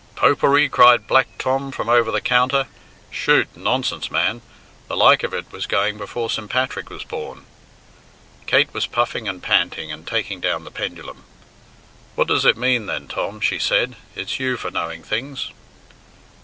"Popery!" cried Black Tom from over the counter. "Chut! nonsense, man! The like of it was going before St. Patrick was born." Kate was puffing and panting and taking down the pendulum. "What does it mean then, Tom?" she said; "it's you for knowing things."